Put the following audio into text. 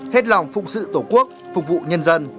hết lòng phụng sự tổ quốc phục vụ nhân dân